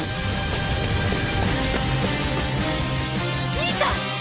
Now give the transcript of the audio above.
兄さん！